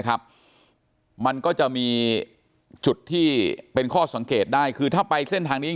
มันก็จะมีจุดที่เป็นข้อสังเกตได้คือถ้าไปเส้นทางนี้